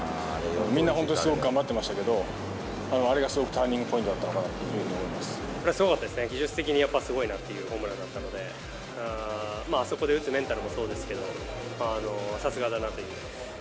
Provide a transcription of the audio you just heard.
みんな本当にすごく頑張ってましたけど、あれがすごくターニングポイントだったのかなっていうふすごかったですね、技術的にやっぱりすごいなっていうホームランだったので、あそこで打つメンタルもそうですけど、さすがだなという。